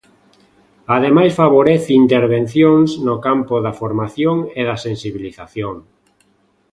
Ademais favorece intervencións no campo da formación e da sensibilización.